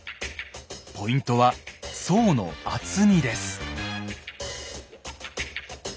ポイントは層の厚みです。